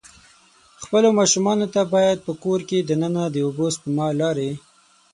خپلو ماشومان ته باید په کور د ننه د اوبه سپما لارې.